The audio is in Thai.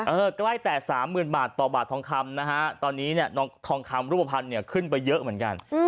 ใกล้แต่สามหมื่นบาทต่อบาททองคำนะฮะตอนนี้เนี่ยทองคำรูปภัณฑ์เนี่ยขึ้นไปเยอะเหมือนกัน